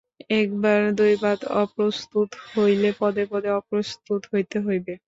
একবার দৈবাৎ অপ্রস্তুত হইলে পদে পদে অপ্রস্তুত হইতেই হইবে।